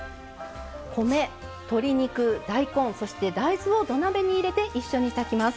米、鶏肉、大根そして、大豆を土鍋に入れて一緒に炊きます。